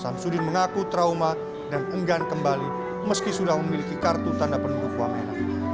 syamsuddin mengaku trauma dan unggan kembali meski sudah memiliki kartu tanda penuh kuamena